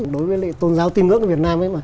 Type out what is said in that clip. đối với tôn giáo tín ngưỡng việt nam